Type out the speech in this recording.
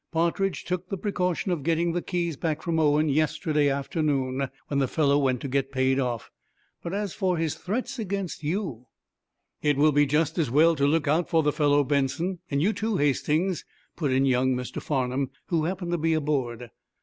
Partridge took the precaution of getting the keys back from Owen yesterday afternoon, when the fellow went to get paid off. But as for his threats against you " "It will be just as well to look out for the fellow, Benson, and you, too, Hastings," put in young Mr. Farnum, who happened to be aboard.